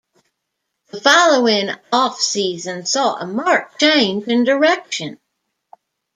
The following off season saw a marked change in direction.